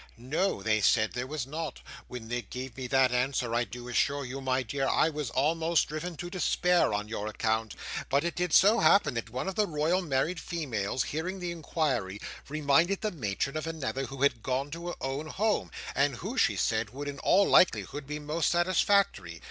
No, they said there was not. When they gave me that answer, I do assure you, my dear, I was almost driven to despair on your account. But it did so happen, that one of the Royal Married Females, hearing the inquiry, reminded the matron of another who had gone to her own home, and who, she said, would in all likelihood be most satisfactory.